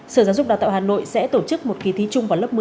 sở giáo dục đào tạo hà nội sẽ tổ chức một kỳ thi chung vào lớp một mươi